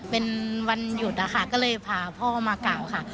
เป็นวันหยุดนะคะก็เลยพาพ่อมากล่าวค่ะ